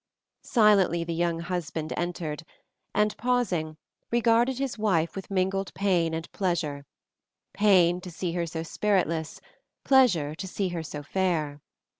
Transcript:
Silently the young husband entered and, pausing, regarded his wife with mingled pain and pleasure pain to see her so spiritless, pleasure to see her so fair.